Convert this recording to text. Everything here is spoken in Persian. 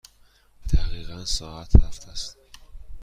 دقیقاً ساعت هفت است.